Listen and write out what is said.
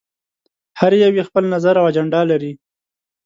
هر يو یې خپل نظر او اجنډا لري.